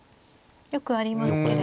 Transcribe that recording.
よくありますけれど。